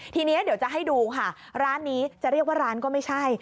ทีนี้เดี๋ยวจะให้ดูค่ะร้านนี้จะเรียกว่าร้านก็ไม่ใช่